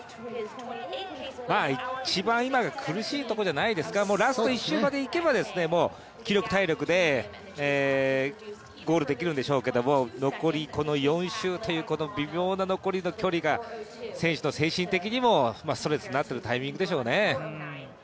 一番今が苦しいところじゃないですか、ラスト１周までいけばもうもう気力・体力でゴールできるんで残りこの４周という微妙な残りの距離が選手の精神的にもストレスになっているタイミングでしょうね。